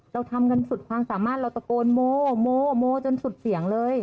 เราทำกันสุดความสามารถเราตะโกนโมโมจนสุดเสียงเลย